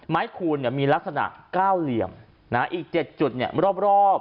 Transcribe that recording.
ไม้คูณเนี่ยมีลักษณะ๙เหลี่ยมนะอีก๗จุดเนี่ยรอบ